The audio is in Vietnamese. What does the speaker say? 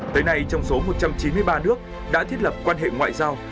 tới nay trong số một trăm chín mươi ba nước đã thiết lập quan hệ ngoại giao